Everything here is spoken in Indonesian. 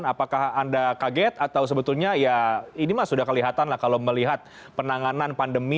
apakah anda kaget atau sebetulnya ya ini mas sudah kelihatan lah kalau melihat penanganan pandemi